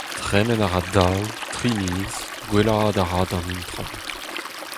Tremen a ra daou, tri miz ; gwellaat a ra d'an itron.